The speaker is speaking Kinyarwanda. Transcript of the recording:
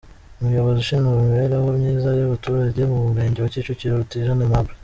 Umuyobozi ushinzwe imibereho myiza y’abaturage mu Murenge wa Kicukiro, Rutijana Aimable.